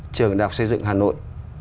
trường đạc xây dựng hà nội